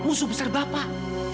musuh besar bapak